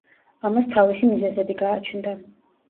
ამას თავისი მიზეზები გააჩნდა.